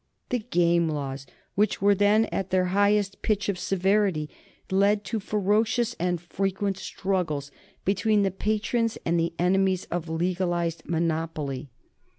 The Game Laws, which were then at their highest pitch of severity, led to ferocious and frequent struggles between the patrons and the enemies of legalized monopoly.